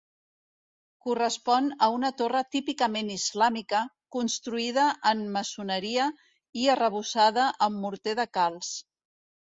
Correspon a una torre típicament islàmica, construïda en maçoneria i arrebossada amb morter de calç.